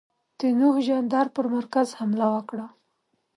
د نوح جاندار پر مرکز حمله وکړه.